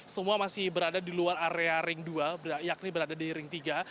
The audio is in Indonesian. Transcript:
semua masih berada di luar area ring dua yakni berada di ring tiga